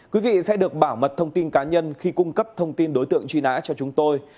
quý vị sẽ được bảo mật thông tin cá nhân khi cung cấp thông tin đối tượng truy nã cho chúng tôi